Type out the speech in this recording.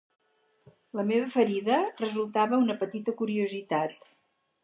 La meva ferida resultava una petita curiositat